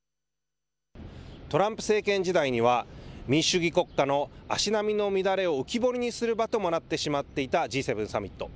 トランプ政権時代には、民主主義国家の足並みの乱れを浮き彫りにする場ともなっていたＧ７サミット。